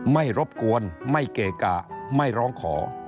รบกวนไม่เกะกะไม่ร้องขอ